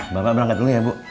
bapak berangkat dulu ya bu